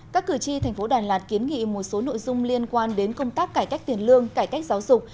các cử tri thành phố đà lạt kiến nghị một số nội dung liên quan đến công tác cải cách tiền lương cải cách giáo dục